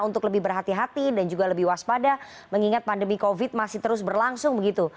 untuk lebih berhati hati dan juga lebih waspada mengingat pandemi covid masih terus berlangsung begitu